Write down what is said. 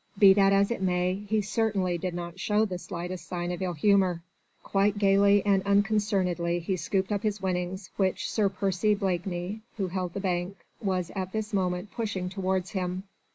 Be that as it may, he certainly did not show the slightest sign of ill humour: quite gaily and unconcernedly he scooped up his winnings which Sir Percy Blakeney, who held the Bank, was at this moment pushing towards him.